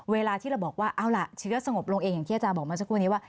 เวลาที่เราบอกว่าเอาล่ะเชื้อสงบลงเองอย่างที่อาจารย์บอกเมื่อสักครู่นี้ว่า